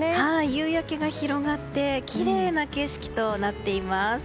夕焼けが広がってきれいな景色となっています。